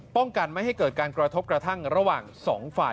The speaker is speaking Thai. ป้องกันไม่ให้เกิดการกระทบกระทั่งระหว่างสองฝ่าย